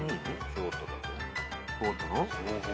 京都の。